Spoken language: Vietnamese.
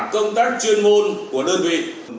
công tác chuyên môn của đơn vị